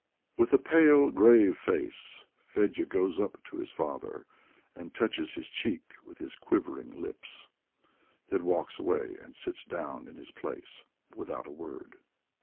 With a pale, grave face Fedya goes up to his father and touches his cheek with his quivering lips, then walks away and sits down in his place without a word.